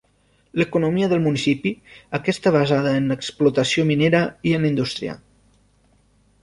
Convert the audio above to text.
L'economia del municipi aquesta basada en l'explotació minera i en la indústria.